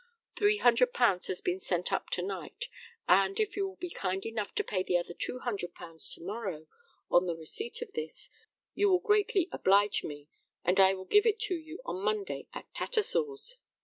£300 has been sent up to night, and, if you will be kind enough to pay the other £200 to morrow, on the receipt of this, you will greatly oblige me, and I will give it to you on Monday at Tattersall's."